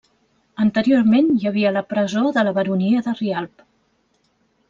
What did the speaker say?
Anteriorment hi havia la presó de la Baronia de Rialb.